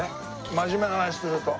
真面目な話すると。